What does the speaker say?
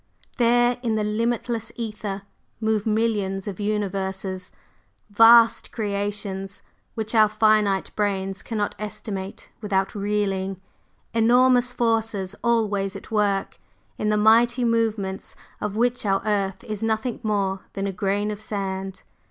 "There in the limitless ether move millions of universes vast creations which our finite brains cannot estimate without reeling, enormous forces always at work, in the mighty movements of which our earth is nothing more than a grain of sand.